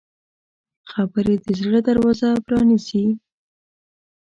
خبرې د زړه دروازه پرانیزي